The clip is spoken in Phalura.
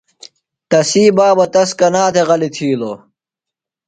تسی بابہ تس کنا تھےۡ غلیۡ تھِیلو؟